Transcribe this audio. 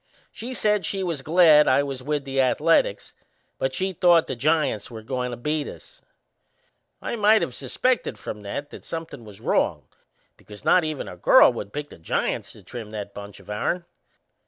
She said she was glad I was with the Ath a letics, but she thought the Giants was goin' to beat us. I might of suspected from that that somethin' was wrong, because not even a girl would pick the Giants to trim that bunch of ourn.